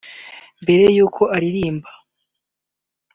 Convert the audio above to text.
Mbere y’uko aririmba